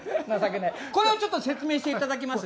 これをちょっと説明していただけます？